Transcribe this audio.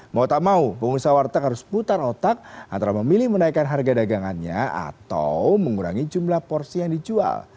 mau tak mau pengusaha warteg harus putar otak antara memilih menaikkan harga dagangannya atau mengurangi jumlah porsi yang dijual